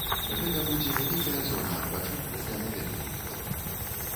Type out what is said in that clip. Гэта будзе вялікая зона адпачынку для наведвальнікаў.